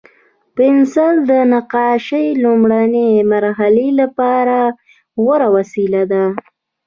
پنسل د نقاشۍ لومړني مرحلې لپاره غوره وسیله ده.